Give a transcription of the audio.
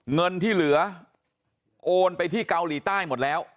เงินที่เหลือโอนไปที่เกาหลีใต้หมดแล้ว